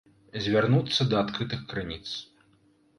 Звярнуцца да адкрытых крыніц.